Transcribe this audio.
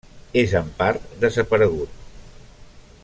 És en part desaparegut.